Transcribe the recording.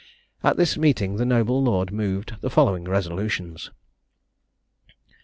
At this meeting the noble lord moved the following resolutions.